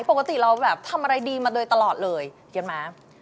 ปกติเราทำอะไรดีมาโดยตลอดเลยเดี๋ยวนะ